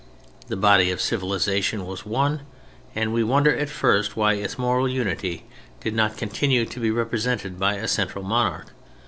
The body of civilization was one, and we wonder, at first, why its moral unity did not continue to be represented by a central Monarch.